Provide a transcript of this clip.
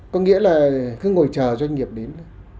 có nghĩa là cứ ngồi chờ doanh nghiệp đến